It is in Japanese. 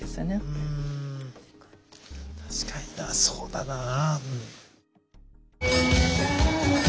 うん確かになそうだなぁ。